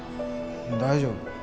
大丈夫。